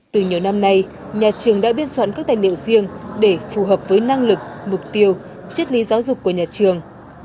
từ nhiều năm nay nhà trường đã biên soạn các tài liệu riêng để phù hợp với năng lực mục tiêu chất lý giáo dục của nhà trường